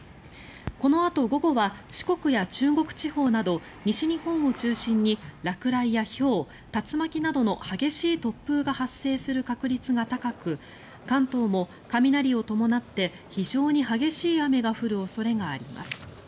このあと、午後は四国や中国地方など西日本を中心に落雷やひょう竜巻などの激しい突風が発生する確率が高く関東も雷を伴って非常に激しい雨が降る恐れがあります。